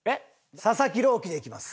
佐々木朗希でいきます。